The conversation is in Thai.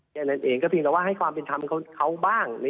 แค่นั้นเองก็เพียงแต่ว่าให้ความเป็นธรรมเขาบ้าง